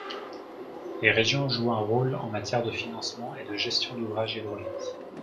Les régions jouent un rôle en matière de financement et de gestion d’ouvrages hydrauliques.